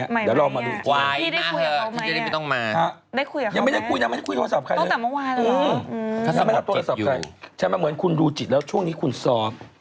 ยังไม่ได้คุยนะไม่ได้คุยโทรศัพท์ใครเลยถ้าไม่รับโทรศัพท์ใครใช่ไหมเหมือนคุณรู้จิตแล้วช่วงนี้คุณซอฟ